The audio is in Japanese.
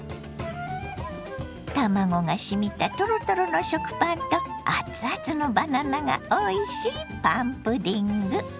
卵がしみたトロトロの食パンとあつあつのバナナがおいしいパンプディング。